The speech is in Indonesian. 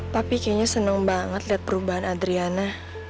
papi kayaknya senang banget liat perubahan adriana